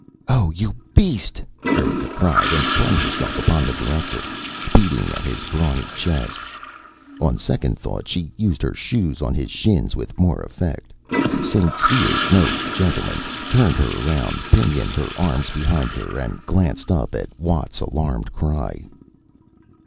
"Oh, you beast," Erika cried, and flung herself upon the director, beating at his brawny chest. On second thought, she used her shoes on his shins with more effect. St. Cyr, no gentleman, turned her around, pinioned her arms behind her, and glanced up at Watt's alarmed cry.